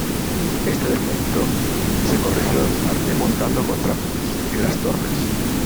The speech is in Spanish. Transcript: Este defecto, se corrigió en parte montado contrapesos en las torres.